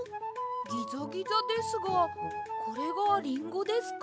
ギザギザですがこれがリンゴですか？